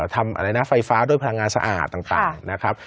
ทำอะไรนะไฟฟ้าด้วยพลังงานสะอาดต่างนะครับ